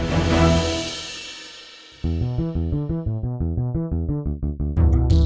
masih di pasar